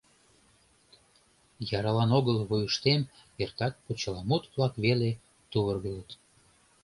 Яралан огыл вуйыштем эртак почеламут-влак веле тувыргылыт.